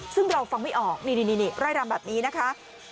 ซึ่งเราฟังไม่ออกนี่ไร่รำแบบนี้นะคะ